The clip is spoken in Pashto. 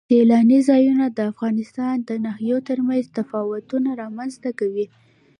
سیلانی ځایونه د افغانستان د ناحیو ترمنځ تفاوتونه رامنځ ته کوي.